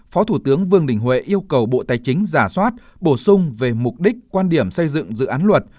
phó thủ tướng vương đình huệ yêu cầu bộ tài chính giả soát bổ sung về mục đích quan điểm xây dựng dự án luật